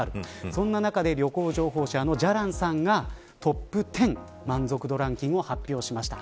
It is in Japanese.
そんな中で旅行情報誌、じゃらんさんがトップ１０満足度ランキングを発表しました。